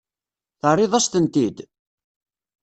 Terriḍ-as-tent-id?